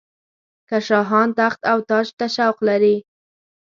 که شاهان تخت او تاج ته شوق لري.